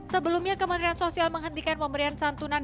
sebelumnya kementerian sosial menghentikan pemberian santunan